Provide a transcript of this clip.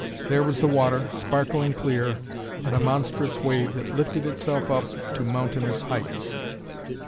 There was the water, sparkling clear, and a monstrous wave that lifted itself up to mountainous heights.